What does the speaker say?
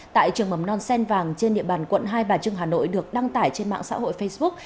tại trường mầm non sen vàng trên địa bàn quận hai bà trưng hà nội được đăng tải trên mạng xã hội facebook